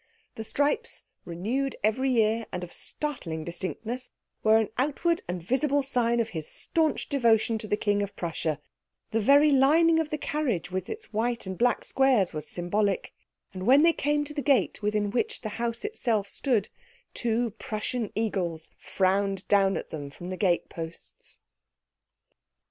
The stripes, renewed every year, and of startling distinctness, were an outward and visible sign of his staunch devotion to the King of Prussia, the very lining of the carriage with its white and black squares was symbolic; and when they came to the gate within which the house itself stood, two Prussian eagles frowned down at them from the gate posts.